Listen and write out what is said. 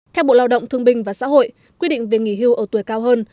theo bộ lao động thương binh và xã hội quy định về nghỉ hưu ở tuổi cao hơn